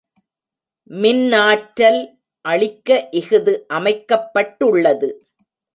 மின்னாற்றல் அளிக்க இஃது அமைக்கப்பட்டுள்ளது.